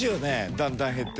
だんだん減っていて。